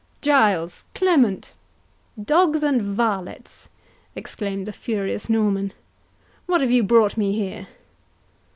"Giles—Clement—dogs and varlets!" exclaimed the furious Norman, "what have you brought me here?"